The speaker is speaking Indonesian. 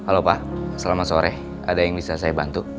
halo pak selamat sore ada yang bisa saya bantu